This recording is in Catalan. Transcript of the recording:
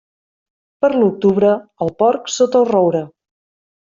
Per l'octubre, el porc sota el roure.